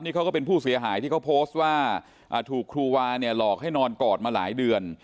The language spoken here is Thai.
นี่เขาก็เป็นผู้เสียหายที่เขาโพสต์ว่าถูกครูวาเนี่ยหลอกให้นอนกอดมาหลายเดือน